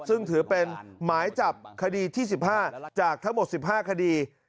ซึ่งถือเป็นหมายจับคดีที่๑๕จากทั้งหมด๑๕คดี